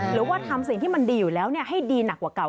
หรือว่าทำสิ่งที่มันดีอยู่แล้วให้ดีหนักกว่าเก่า